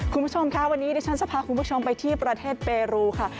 คุณผู้ชมค่ะวันนี้ดิฉันจะพาคุณผู้ชมไปที่ประเทศเปรูค่ะ